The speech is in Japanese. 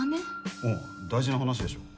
うん大事な話でしょ。